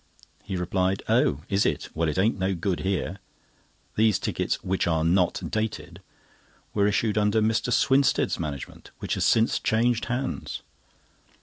He replied: "Oh! is it? Well, it ain't no good here. These tickets, which are not dated, were issued under Mr. Swinstead's management, which has since changed hands."